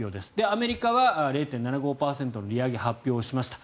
アメリカは０．７５％の利上げを発表しました。